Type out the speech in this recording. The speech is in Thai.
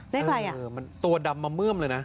เลขอะไรอ่ะมันตัวดำมาเมื่อมเลยนะ